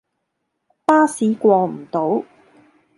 巴士過唔到